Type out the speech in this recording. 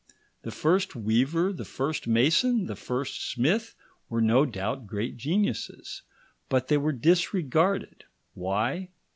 The first weaver, the first mason, the first smith, were no doubt great geniuses, but they were disregarded. Why?